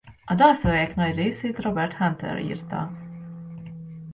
A dalszövegek nagy részét Robert Hunter írta.